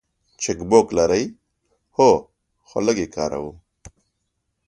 چک بوک لرئ؟ هو، خو لږ یی کاروم